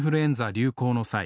流行の際